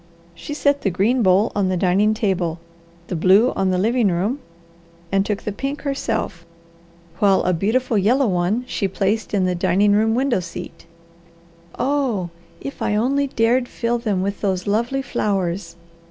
She set the green bowl on the dining table, the blue on the living room, and took the pink herself, while a beautiful yellow one she placed in the dining room window seat. "Oh, if I only dared fill them with those lovely flowers!"